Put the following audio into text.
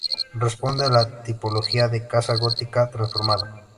Responde a la tipología de casa gótica transformada.